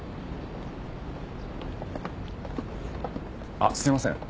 あっすいません。